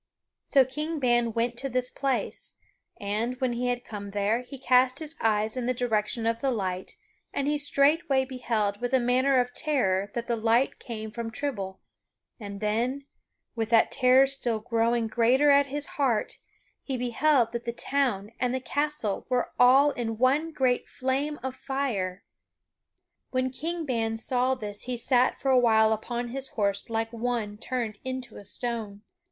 So King Ban went to this place, and, when he had come there, he cast his eyes in the direction of the light and he straightway beheld with a manner of terror that the light came from Trible; and then, with that terror still growing greater at his heart, he beheld that the town and the castle were all in one great flame of fire. When King Ban saw this he sat for a while upon his horse like one turned into a stone.